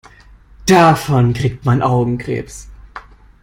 Davon kriegt man Augenkrebs.